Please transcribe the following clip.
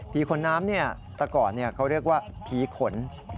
ขนน้ำแต่ก่อนเขาเรียกว่าผีขน